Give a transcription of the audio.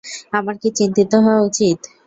আমার কি চিন্তিত হওয়া উচিত?